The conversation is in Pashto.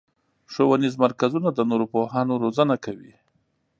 ښوونیز مرکزونه د نوو پوهانو روزنه کوي.